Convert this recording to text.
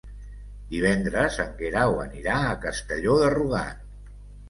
Divendres en Guerau anirà a Castelló de Rugat.